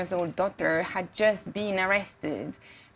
yang anaknya lima belas tahun